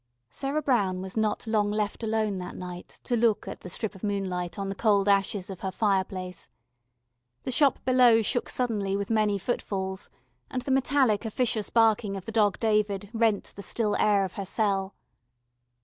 Sarah Brown was not long left alone that night to look at the strip of moonlight on the cold ashes of her fireplace. The Shop below shook suddenly with many footfalls, and the metallic officious barking of the Dog David rent the still air of her cell.